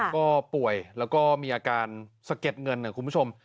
ก็ป่วยแล้วก็มีอาการสะเก็ดเงินนะคุณผู้ชม